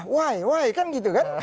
wah wah kan gitu kan